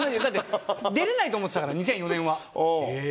だって出れないと思ってたから２００４年は。